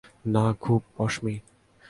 না, খুব পশমী।